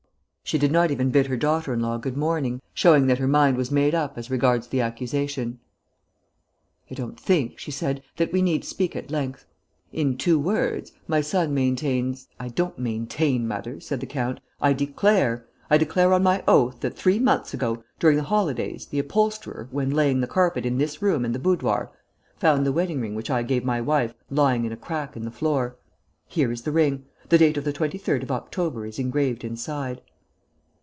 She did not even bid her daughter in law good morning, showing that her mind was made up as regards the accusation: "I don't think," she said, "that we need speak at length. In two words, my son maintains...." "I don't maintain, mother," said the count, "I declare. I declare on my oath that, three months ago, during the holidays, the upholsterer, when laying the carpet in this room and the boudoir, found the wedding ring which I gave my wife lying in a crack in the floor. Here is the ring. The date of the 23rd of October is engraved inside."